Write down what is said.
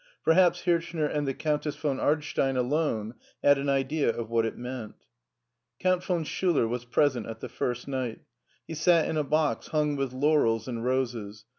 Perhaps Hirchner and the Countess von Ardstein alone had an idea of what it meant. Count von Schiiler was present at the First Night He sat in a box hung with laurels and roses.